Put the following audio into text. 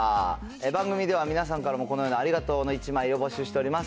番組では、皆さんからこのようなありがとうの１枚を募集しております。